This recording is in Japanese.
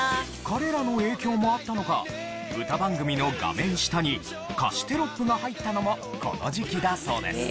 彼らの影響もあったのか歌番組の画面下に歌詞テロップが入ったのもこの時期だそうです。